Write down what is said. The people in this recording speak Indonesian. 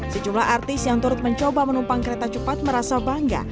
sejumlah artis yang turut mencoba menumpang kereta cepat merasa bangga